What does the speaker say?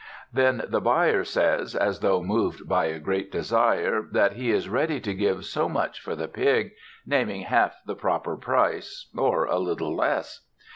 Then the buyer says, as though moved by a great desire, that he is ready to give so much for the pig, naming half the proper price, or a little less.